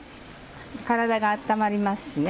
体が温まりますしね。